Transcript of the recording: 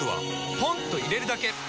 ポンと入れるだけ！